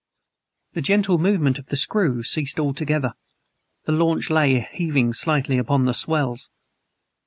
The gentle movement of the screw ceased altogether. The launch lay heaving slightly upon the swells.